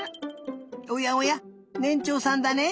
おやおやねんちょうさんだね。